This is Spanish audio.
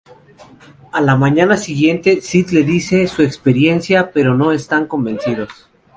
A la mañana siguiente Sid les dice su experiencia, pero no están convencidos.